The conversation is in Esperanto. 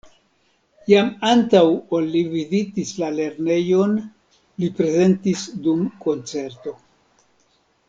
Jam antaŭ ol li vizitis la lernejon, li prezentis dum koncerto.